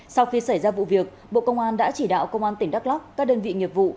sau khi xảy ra vụ việc bộ công an đã chỉ đạo công an tỉnh đắk lóc các đơn vị nghiệp vụ